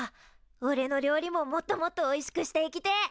おれの料理ももっともっとおいしくしていきてえ！